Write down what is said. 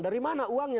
dari mana uangnya